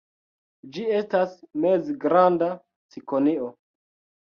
Ĝi estas mezgranda cikonio.